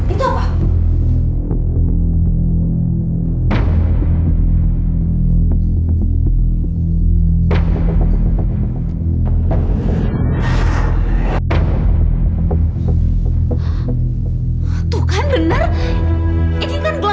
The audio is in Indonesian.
itu tak bisa langsung terjadi loh